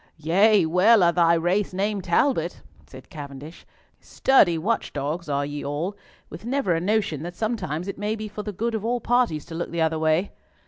"Yea, well are thy race named Talbot!" said Cavendish. "Sturdy watch dogs are ye all, with never a notion that sometimes it may be for the good of all parties to look the other way."